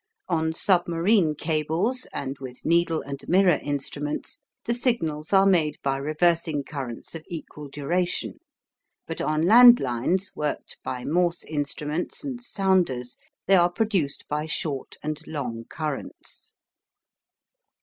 On submarine cables and with needle and "mirror" instruments, the signals are made by reversing currents of equal duration, but on land lines worked by "Morse" instruments and "sounders," they are produced by short and long currents.